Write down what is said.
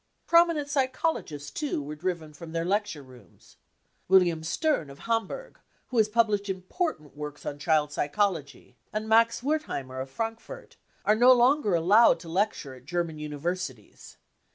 Prominent psychologists, too, were driven from their lecture rooms. William Stern, of Hamburg, who has pub hshed important works on child psychology, and Max Wertheimer, of Frankfurt, are no longer allowed to lecture at German Universities.